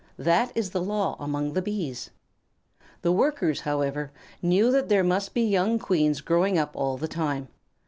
That is a law among the Bees. The Workers, however, knew that there must be young Queens growing up all the time.